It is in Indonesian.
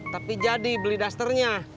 tapi jadi beli dasternya